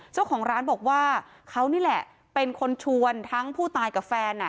เจ้าของร้านบอกว่าเขานี่แหละเป็นคนชวนทั้งผู้ตายกับแฟน